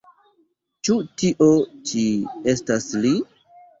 Ĉu tio ĉi estas li?